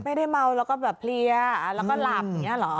ไม่ได้เมาแล้วก็แบบเพลียแล้วก็หลับอย่างนี้เหรอ